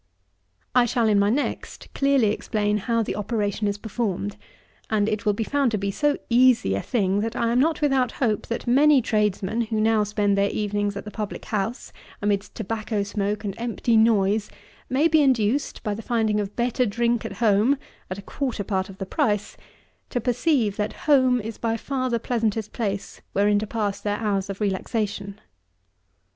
I shall, in my next, clearly explain how the operation is performed; and it will be found to be so easy a thing, that I am not without hope, that many tradesmen, who now spend their evenings at the public house, amidst tobacco smoke and empty noise, may be induced, by the finding of better drink at home, at a quarter part of the price, to perceive that home is by far the pleasantest place wherein to pass their hours of relaxation.